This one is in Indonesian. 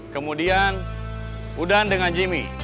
kemudian udan dengan jimmy